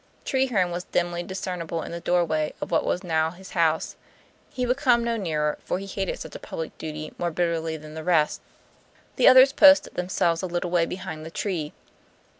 Treherne was dimly discernible in the doorway of what was now his house; he would come no nearer, for he hated such a public duty more bitterly than the rest. The others posted themselves a little way behind the tree.